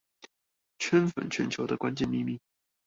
圈粉全球的關鍵秘密